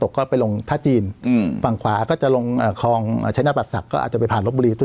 ก็ไปลงท่าจีนฝั่งขวาก็จะลงฮองใช้นาฏบรัษฌักก็อาจจะไปผ่านรถบุรี